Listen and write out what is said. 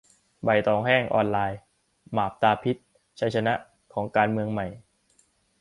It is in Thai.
'ใบตองแห้ง' ออนไลน์ :"มาบตาพิษ" ชัยชนะ ? ของ "การเมืองใหม่"